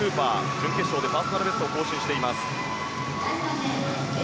準決勝でパーソナルベストを更新しています。